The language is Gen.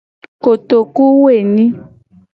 Kotokuwoenyi.